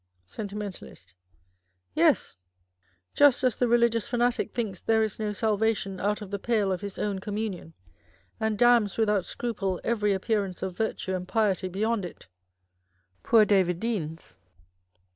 Sentimentalist. Yes ; just as the religious fanatic thinks there is no salvation out of the pale of his own communion, and damns without scruple every appearance of virtue and piety beyond it. Poor David Deans